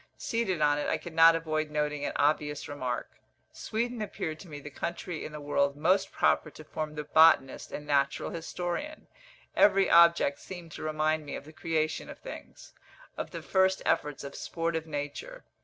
Seated on it, I could not avoid noting an obvious remark. Sweden appeared to me the country in the world most proper to form the botanist and natural historian; every object seemed to remind me of the creation of things, of the first efforts of sportive nature.